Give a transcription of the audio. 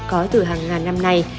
có từ hàng ngàn năm nay